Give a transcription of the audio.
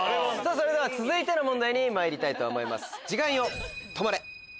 それでは続いての問題にまいりたいと思います。